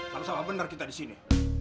sama sama bener kita di sini